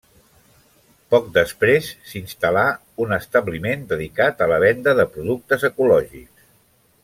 Poc després s'hi instal·là un establiment dedicat a la venda de productes ecològics.